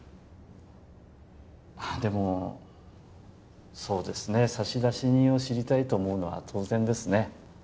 まあでもそうですね差出人を知りたいと思うのは当然ですね